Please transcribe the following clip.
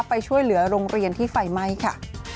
ไปช่วยเหลือโรงเรียนที่ไฟไหม้ค่ะ